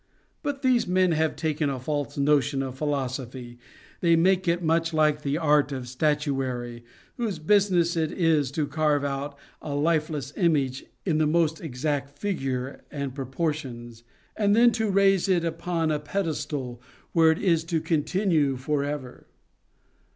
But these men have taken a false notion of philosophy, they make it much like the art of statuary, whose business it is to carve out a lifeless image in the most exact figure and proportions, and then to raise it upon its pedestal, "where it is to continue for ever.